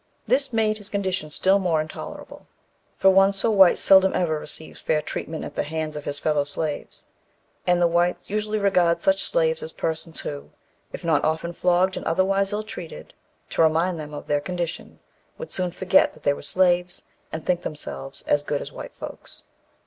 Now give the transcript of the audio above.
This made his condition still more intolerable; for one so white seldom ever receives fair treatment at the hands of his fellow slaves; and the whites usually regard such slaves as persons who, if not often flogged, and otherwise ill treated, to remind them of their condition, would soon "forget" that they were slaves, and "think themselves as good as white folks."